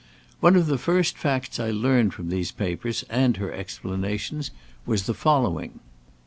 One of the first facts I learned from these papers and her explanations, was the following.